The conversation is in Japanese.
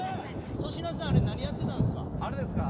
粗品さんあれ何やってたんすか？